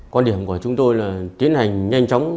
quan điểm của chúng tôi là tiến hành nhanh chóng